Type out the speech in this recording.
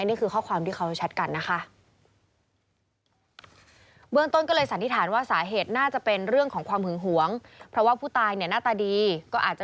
นี่คือข้อความที่เขาแชทกันนะคะ